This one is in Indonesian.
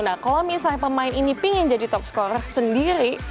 kalau misalnya pemain ini ingin jadi top scorer sendiri